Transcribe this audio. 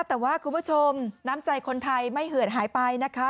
แต่ว่าคุณผู้ชมน้ำใจคนไทยไม่เหือดหายไปนะคะ